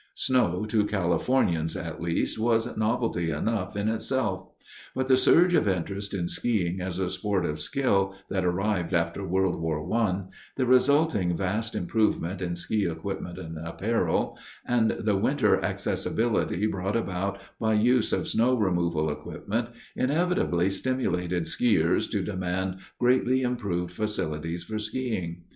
Snow, to Californians at least, was novelty enough in itself. But the surge of interest in skiing as a sport of skill that arrived after World War I, the resulting vast improvement in ski equipment and apparel, and the winter accessibility brought about by use of snow removal equipment, inevitably stimulated skiers to demand greatly improved facilities for skiing.